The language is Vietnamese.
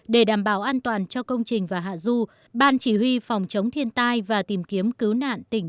để đảm bảo an toàn cho công trình và hạ du ban chỉ huy phòng chống thiên tai và tìm kiếm cứu nạn tỉnh thừa thiên huế